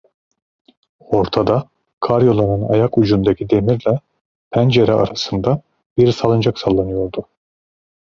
Ortada, karyolanın ayak ucundaki demirle pencere arasında, bir salıncak sallanıyordu.